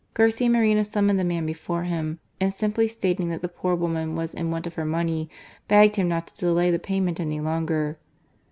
Garcia Moreno summoned the man before him, and simply stating that the poor woman was in want of her money, begged him not to delay the payment any longer.